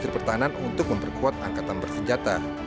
tapi in between kita harus bersama